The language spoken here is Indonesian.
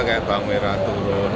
kayak bang wera turun